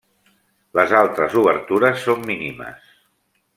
Les altres obertures són mínimes.